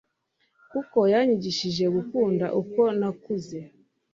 kuko yanyigishije gukunda uko nakuze